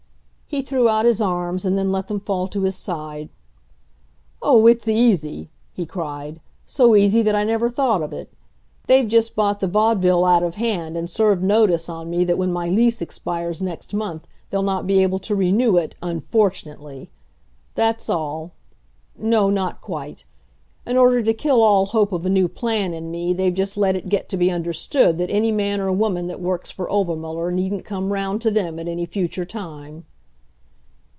He threw out his arms and then let them fall to his side. "Oh, it's easy," he cried, "so easy that I never thought of it. They've just bought the Vaudeville out of hand and served notice on me that when my lease expires next month they'll not be able to renew it, 'unfortunately'! That's all. No; not quite. In order to kill all hope of a new plan in me they've just let it get to be understood that any man or woman that works for Obermuller needn't come round to them at any future time."